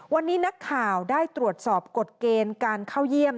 วันนี้นักข่าวได้ตรวจสอบกฎเกณฑ์การเข้าเยี่ยม